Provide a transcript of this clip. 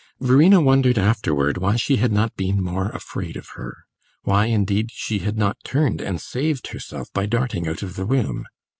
Verena wondered afterward why she had not been more afraid of her why, indeed, she had not turned and saved herself by darting out of the room.